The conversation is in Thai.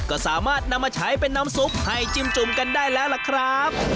ก็สามารถนำมาใช้เป็นน้ำซุปให้จิ้มจุ่มกันได้แล้วล่ะครับ